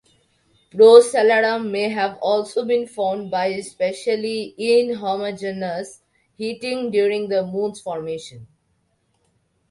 Procellarum may have also been formed by spatially inhomogeneous heating during the Moon's formation.